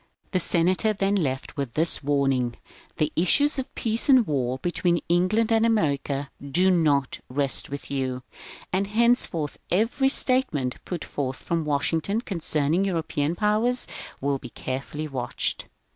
The sen ator then left with this warning, —" The isaiLes of peace and war between England and America do not rest with you^ SEWARD'S "THOUGHTS" 361 and henceforth every statement put forth from Washington concerning European potjoers wUl he carefully watched.